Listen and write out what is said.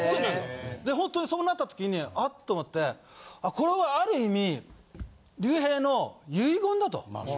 ほんとにそうなった時にあっと思ってこれはある意味竜兵の遺言だと。